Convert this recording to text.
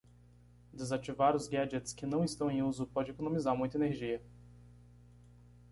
Desativar os gadgets que não estão em uso pode economizar muita energia.